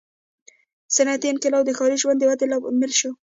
• صنعتي انقلاب د ښاري ژوند د ودې لامل شو.